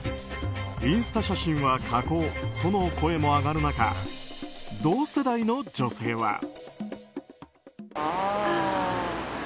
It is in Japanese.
インスタ写真は加工との声も上がる中同世代の女性は。